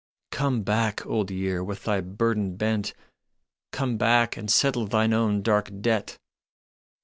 " Come back, Old Year, with thy burden bent. Come back and settle thine own dark debt."